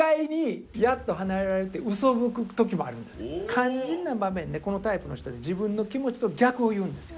肝心な場面でこのタイプの人って自分の気持ちと逆を言うんですよ。